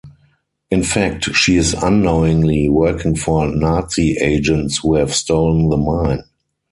In fact, she is unknowingly working for Nazi agents who have stolen the mine.